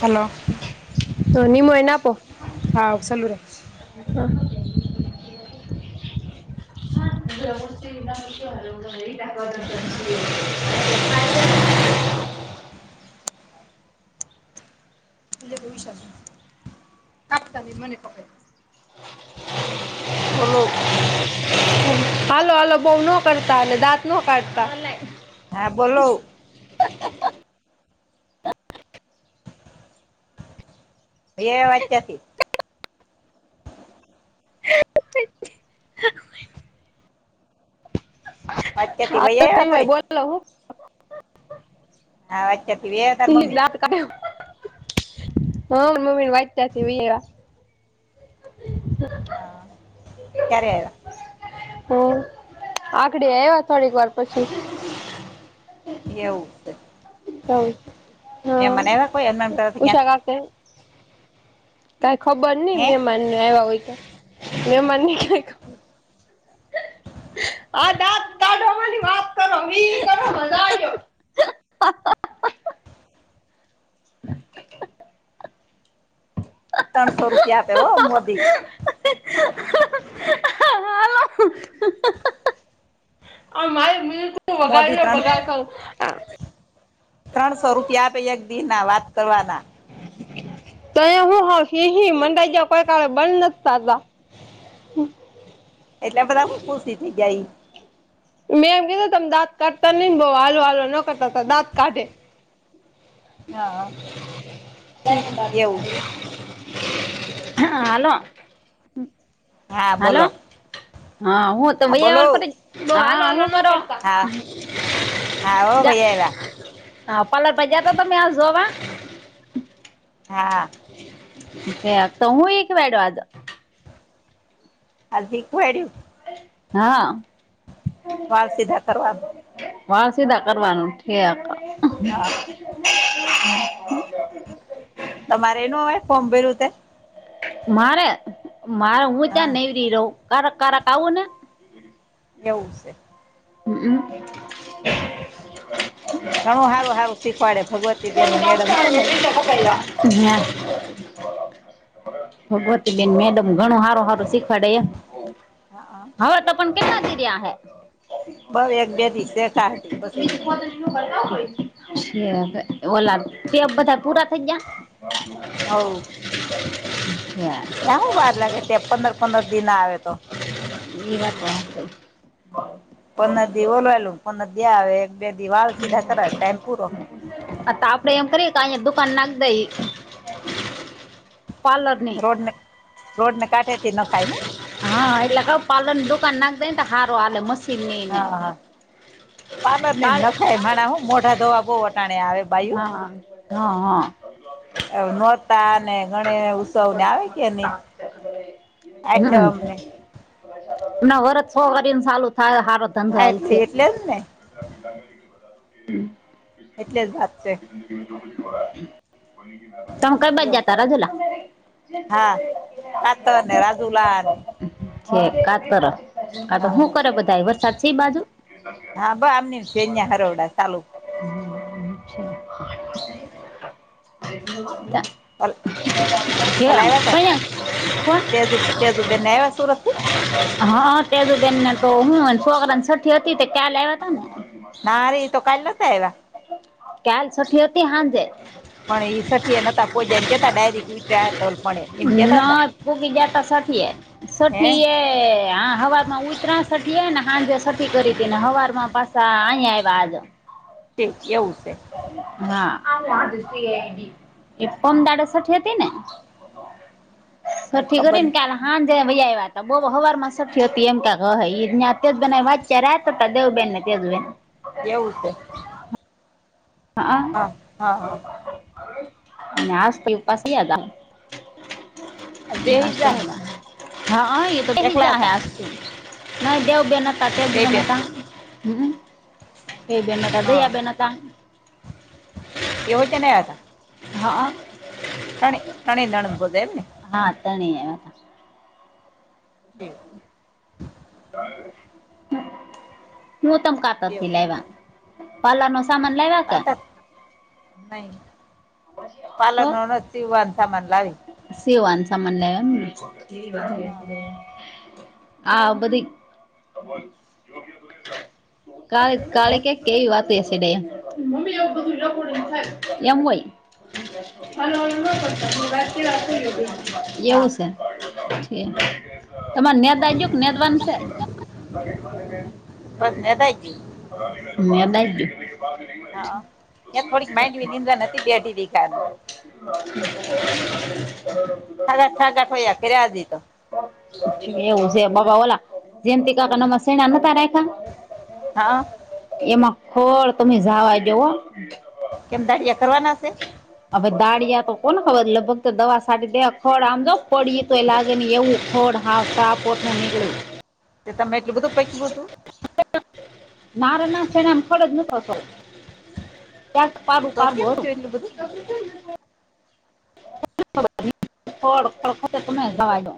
Hello. ધની મઈ ને આપો. હાવ સાલુ રાખજે. હા. [inaudible] [inaudible] આપ તને મને પકડે. બોલો. હાલો હાલો બોઉનો કરતા અને દાંતનો કાઢતા. હા બોલો [unintelligible] એ વાકાથી. [unintelligible] વરચે થી વેવાયા કઈ. હલો. હા વચતીવી એવ તાર મમ્મી. કયુ હ મમ્મી વાત સાચી વીવયા. હા ક્યારે આવ્યા. હમ આગડી આવ્યા થોડીક વાર પછી. આવ્યા એવું છે હા મહેમાન આવ્યા કોઈ હનુમાન તરફ ક્યાં ઉષા શાથે. કઈ ખબર નઈ હે મમાનને આવ્યા હોય તો મમાન ને ક્યાઈ. આ દાઢ માની. વાત કરો મી કરો મજા આવ્યો હ હ આ. ત્રણસો રૂપિયા આપે હો મોદી. તું મોદી વગાડને ત્રણ બગાડ ખાવુ હા ત્રણસો રૂપિયા આપે એક દિ ના વાત કરવાના. દયા હું હ સહી મંરા કોઈ કાલે બંધ નથીતા તા. એટલે બધા ખુશી થઇ જાય. મેં એમ કીધું તમે દાંતત કાઢતા ન બઉ હલુ વાલુ ન કરતા હતા દાંત કાઢે. હા હા. હા હલો. હા બોલો. હા હું તો હા બોલો ભૈયા હા હા હો ભાઈ આવ્યા [unintelligible] હા પલર બજાતા તો મે હ જોવા. હા. તો હું એક વાડ આતો. આ સીટ એડું. હા. વાળ સીધા કરવાનું વાડ સીધા કરવાનું છે આ તો. હા તમારે એનું હવે ફોમ ભેરું તે. મારે મારે હું ત્યાં હા નહ ર રહ કડક કડક આવું ને. એવું છે. હમમ. ઘણું સારું સારું શીખવાડે ભગવતીબેન મેડમ છે ને એ. હેલો હમ. ભગવતીબેન મેડમ ઘણું સારું સારું શીખવાડે હા હવે. પણ કેટલા કી રહ્યા હૈ. બઉ એક બે દિવ શેખ હતી પછી. છે ઓલ તે બધા પૂરા થઈ ગયા. હવ. ત્યાંવું બાર લાગે ત્યા પંદર પંદર દિન આવે તો. એ વાત હાચી. પર દિવ ઓલવા લ પંદર દ એક બે દી વાળ સીધા કર ટાઈમ પૂરો. આ તો આપડે એમ કરીયે કે અહીયા દુકાન નાખ દઈ. પારલરની. રોડને રોડને કાંઠેથી નખાય હું હા એટલે ક પાલન દુકાન નાખ દે ને તો હારો હાલે મશીન નઈ ને. હા હા હ [unintelligible] પાર્લર ની જ નખાય માણા હું મોઢા દવા બહુ વટાણ આવે ભાઈ. હા હા હા. નોતા અને ગણ ઉત્સવ ને આવે કે નહી [inaudible] હમ આઠમ ને ના વર્જ છો વાને ચાલુ થાય હારુ [inaudible] હા સંભળાય છે. એટલે [inaudible] એટલે જ ને એટલે જ વાત છે. [inaudible] તમ કઈ બાજ જતા રાજુલા [inaudible] કાત રાજુલા આને [inaudible] છે કાતર અ [inaudible] [unintelligible] હા તો શું કરે બધા વરસાદ છે એ બાજુ [inaudible] હા બ આમની છે હરોવડા ચાલુ [unintelligible] [inaudible] [unintelligible] [inaudible] ઓલ ઓલા આવ્યા હતા ક્યાં તેજુ તેજુબેન આયા સુરતથી [inaudible] [unintelligible] હા તેજુ બેનને તો હું છોકરાને છઠ્ઠી હતી ક્યાલ આવ્યા તા ને. ના રે તો કાલ નતા આવ્યા કાલ છઠી હતી હાજે [inaudible] પણ એ સઠી એ નતા પોચ્યા એમ કેતા ડાયરીક વિતર્યા હતા [inaudible] કેતા હતા ના પોગી જતા છઠીએ હે છઠીએ [inaudible] હવાર માં ઉતરાણ સટી ને હાજે સટી કરી હતી ને હવાર માં પાછા અહીંયા આવ્યા આજ [inaudible] તે એવું છે. [inaudible] [unintelligible] હા એ પમદાડ સઠી હતી ને [inaudible] [unintelligible] [inaudible] [unintelligible] કઈ છઠ્ઠી ખબર કરી ને કાલ હાજે વય આવ્યા હતા બોલો હવાર માં છઠી હતી એમ કે એજ ના [inaudible] [unintelligible] તેજબન વાચ રહેતા હતા દેવબહેન ને તેજબહેન [inaudible] [unintelligible] એવું છે. [inaudible] [unintelligible] હા આ હા હા [inaudible] [unintelligible] [inaudible] નાશ તો પાસ વયા હતા. બેહી જાહે [inaudible] [unintelligible] હા એતો બેઈજ એકલા ગયા હે હતા આ નહી દેવું બેનતા બે બેન ઘંટ [inaudible] [unintelligible] હમ્મ દઈબેન હતા હા દઈયા બેન ના તા. [inaudible] [unintelligible] એવું કે નહી આતા. હ અ. ત્રણે તણી નણંદ બોજાઈ એમ ને હા તણી એ. ઠીક હું તમ કાપ તથી એવું છે લાયવા પાર્લર નો સામાન લાયવા. નહી પાલન હોવાન સામાન લાવી. સેવાન સામાન લાયા એમ ને. હા બધી કાલે હે કાલે ક્યા. કેવી વાતો હશે એમ હોય. હલ્લો હલ્લો નો કરતા એમ વાય. [inaudible] હા એવું છે છે. તમારે ન્યાય દાય ગયો નેદ વાન છે. બસ નેદાઈ ગયું મે દાઈ ગયું. હઅ થોડીક માઇન્ડ નિંદ્ર નથી બે દી દેખાની. [inaudible] હલ્યા ઠાગા કર્યા દી તો. એવું છે બાબા ઓલા જેમથી કાકા નામાં સેણા નતા રાખા. હા. એમાં ખોળ તમે જવા દયો હો. કેમ દાડિયા કરવાના હશે. હવે દાળિયા તો કોણ ખબર લગભગ દવા સા દેવા ખોળ આમજો પડી તો એ લાગે હી એવું ખોળ. હાવસા પોટ નહીની [inaudible] તો તમે એટલું બધું પૈકવુ હતું. નારે એ ના સેણામ કળ ન હતો. ત્યાર પાબૂ તો કેમ પાબૂ હોરું. થયું એટલું બધું [inaudible] ખળ ખળતે તમે એ જાવા દો.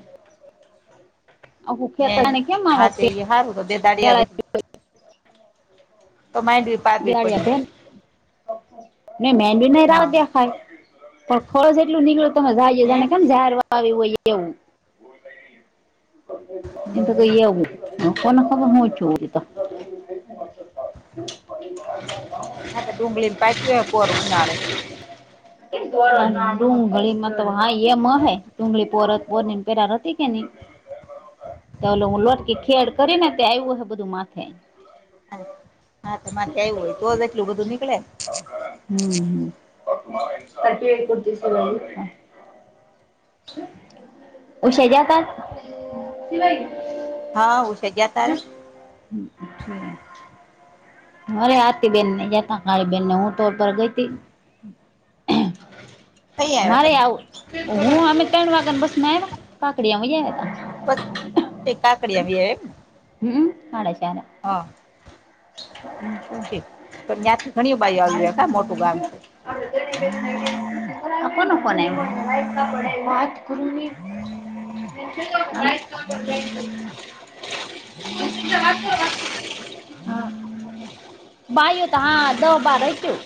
આખું હે ખેતર એને કેમ આવો હા તે પે- ઈ હારું બધે બે દાડિયા વધુ. પેળાય તો માડવી પારવી પડી હૈ. નહીં મેંદી નહીં રાહ હા દેખાય. તો ખોઝ એટલું નીકળતું હોય જાઈ એ હે જાણે કેમ જાહેર [inaudible] આવી હોય એવું [inaudible] એમ તો હમ કઈ એવું હહ કોને હવ હું થયું ઈ ત [inaudible] આત ડુંગળીને પાકી હોય પોર ઉનાળે. ડુંગળીમાં તો હા એમ હએ ડુંગળી પોર પોરની પેરાર હતી કે નઈ? ચલો હું લોટકી ખેડ કરીને તે આવ્યું હે બધું માથે. હા હા તે માથે આવ્યું હોય તો જ એટલું બધું નીકળે ન. હમ હમ [inaudible] ઉસે ગ્યાં તા [inaudible] હા ઉસે ગયા તા ને. અ ઠીક. અરે આરતીબેનને ગયા તા મારી બેનને હું તો પર ગઈતી. કઈ [inaudible] આવ્યા મારે તમે આવું હું અમે ત્રણ વાગ્યાને બસ માં આવ્યા કાકડી અમે આયા તા. બસ એક કાકડી એવી એમ ને. હમ હાડા ચારે. [inaudible] ઠીક પણ ત્યાંથી ઘણી બાાઈ આવ્યું કા મોટું ગામ આ કોનો ફોન આયવો? વાત કરો ને. [inaudible] [inaudible] હા [inaudible] બાઈઓ તો હા દ બાર હતી.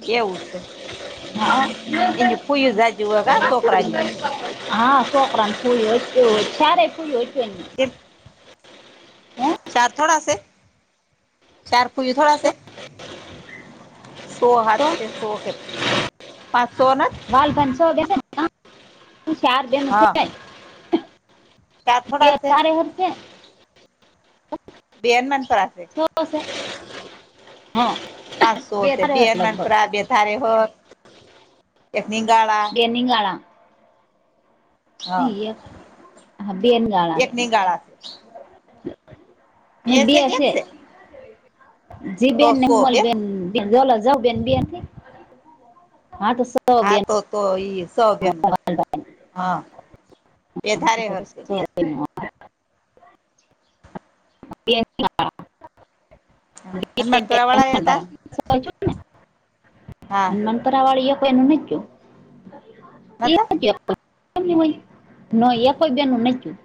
કેવું સે? હઅ [inaudible] હોય કા છોકરાને હા છોકરાની સ્કૂલો, [inaudible] ચાયરે ખુલી [inaudible] [inaudible] ચાર થોડાશે, ચાર પુરી થોડાશે. સો હાથ તો છે સો કે પાંચસો ના વાલ ભાઈને છ દેશે ને કા [inaudible] ચાર બેનો [inaudible] હા ચાર બે થોડા છે તારે હશે. બે હનુમાન પરાસે. [inaudible] હહ પાચસો છે બેનમાનફ બે થારે હર એક નીગળા. એ નિગાડા હા ઈય હા બેન નીગાણા હે. એક નિંગાળા છે ને બે છે કે એક એ છે જીબેન તો ને સો બેન હીમલબેન. જલ જઉંબેન બે થયા [inaudible] હા તો સો હા બેન તો તો ઈ સબેનું હા એ ધારે હર સે. [inaudible] [inaudible] [inaudible] હનુમાનપુરા વાળા એ હતા હા હનુમાન પરાવાળી એકોઈ ને નથી નતા કેવું. [inaudible] ના એકોઈ બેનું નથ જોઈ.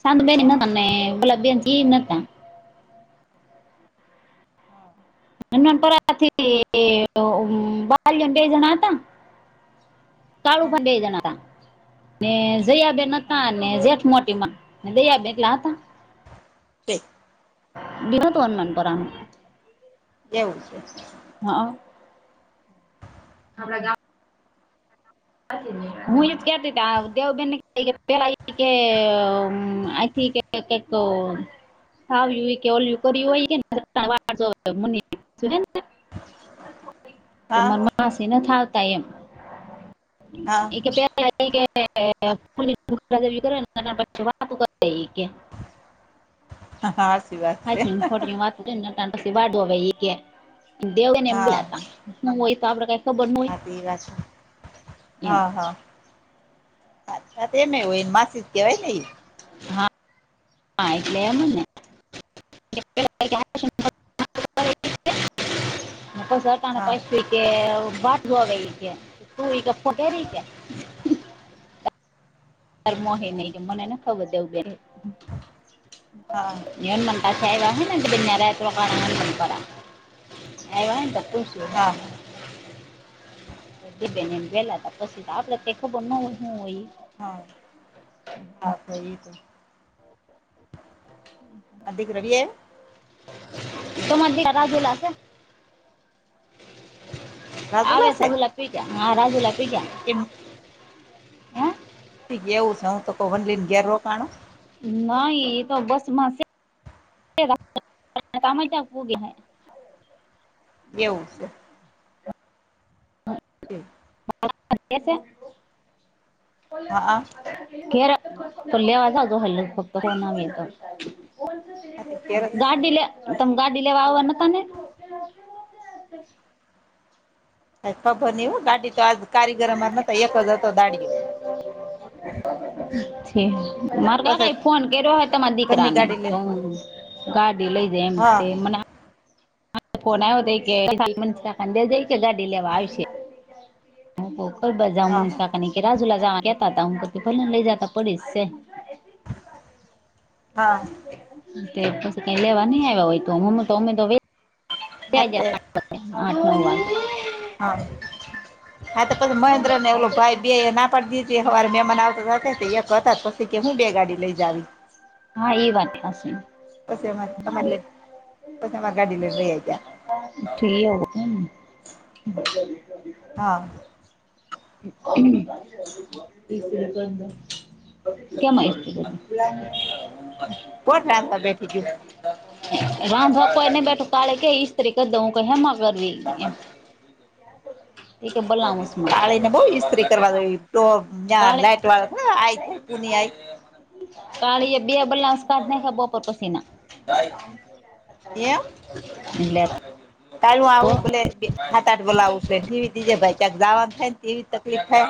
સાંત બેન એ નતા ને ગુલાબી બેન છે ઈ એ નતા. હા હનુમાન પરાથી ઓ બાલીઓ ને બે જણા હતા. કાળુ ભા ને બેે જાણ હતા. ને જયાબેન હા નતા ને જેઠ મોટી માં જયાબેન એટલા હતા. તે બીનાતો અનનાન પરા એવું છે. હા. પ્રધા હું એજ કેતીતી દેવ બેહેન [unintelligible] પેલા ઈ કે અમ આયથી કે કે તો સાવ કે ઓલયું કર્યું હોય ને [unintelligible] વા મ [unintelligible] તે હા માર માસે નથ આવતા એમ. એ કે હા પ્યા [unintelligible] વાત કર ઈ કે હા હા હાસી વાત. છે હાચુ [unintelligible] વાત પછી વા દેવને એમલાતા હુ હોય તો આપડ કાય હાતે વા છે એમ હા હા. અચ્છા તેને હોય એ માસીજ કેવાય નહ. હા હા એટલે એમ ને [unintelligible] હ પ સરકારને હા પાછ કે બાટવે છે તુંરી કે ફોટે રીકે પર મો નહી મનેને ખબર દવ બે હા વન મતા છે એવા બેરા એ તો મનપરા એવા એ તો પશું. હા. એ બેન એમ વેલા ત પછી તો આપડે કઈ ખબર ન હોય શું હોય. હા હા સ એ તો હ અધિક રડીએ તમાર મેલા રાજુલાશે. આવે રાજુલા સહુલા પી ગ્યા હ રાજુલા પી ગ્યા. એમ તી એવું છે હું તો કોઈ વનલીને ઘેર રોકાણું. નાહી એ તો બસમાંસે કામય ત્યાં પુગય હે એવું છે. હા. તે [unintelligible] કે છે હા. ઘેર તો લેવા જાવ તો હલે ફક્ત કો ના મે તો આ તો ઘેર જ છે ગાડી લે તમ ગાડી લેવા આવવાના તા ને ખબર નહિ હો ગાડી તો આજ કારીગરમાંર નતા એક જ હતો દાડિયો [unintelligible] મારે પછ કાકા ઈ ફોન કર્યો હોય તમા દીકરા ઘરની ને ગાડી લઈને ગાડી લઈ જાય એમ હા તે મને ફોન આવ્યો ત કે ખડે જાય કે ગાડી લેવા આવશે. હ ખર બજા હા મન કાકાની રાજુલા જવા કેતા હતા હું ક ભલેને લઇ જતા પડીશ છે. હા હુ કે પછી કઈ લેવા નઈ આવ્યા હોય તો મમ્મ તો અમે તો વે હા તે [unintelligible] આઠ નવ હા વા હા તો પછી મહેન્દ્ર ને ઓલો ભાઈ બેએ ના કરદીતે હવારે મહેમાન આવતા એક હતા પછી કે હું બે ગાડી લઈ જાવી. હા એ વાત હશે. પછે આમાર લે ઠી [inaudible] ખ હા [inaudible] હમ [inaudible] કેમઈ ત [inaudible] કોટતા બેઠી ગયું? રાંધ કોવાઈ ન બેઠું કાળે કેઈ તરીકે દઉં ક હેમા કરવી એમ? એ કે બલાઉસમાં કાળીને બઉ ઈસ્ત્રી કરવા જોયે તો્ યાં કાલે લાઈટ વાળો થ આઈ થાય પુ આઈ કાલી એ બી એભલા સાદ બોપર પસના એ કાલ હું આવું ભલે હાથ આતા ને બોલાવું વીજે ભાઈ ક્યાંક જવાનું થાય ને એવી તકલીફ થાય.